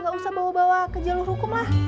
gausah bawa bawa ke jalur hukum lah